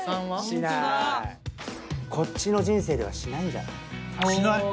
こっちの人生ではしないんじゃない？